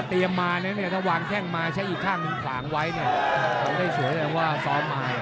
เตรียมมาเนี่ยเนี่ยถ้าวางแค่งมาใช้อีกครั้งหนึ่งขลางไว้เนี่ยมันได้สวยได้ว่าซ้อมมา